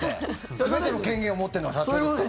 全ての権限を持ってるのは社長ですから。